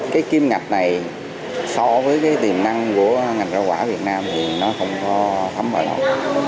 cái kim ngạc này so với cái tiềm năng của ngành rau quả việt nam thì nó không có thấm ở đâu